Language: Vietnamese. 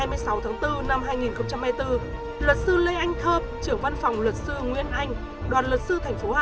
bỏ vào năm hai nghìn một mươi bốn luật sư lê anh thơm trưởng văn phòng luật sư nguyên anh đoàn luật sư thành phố hà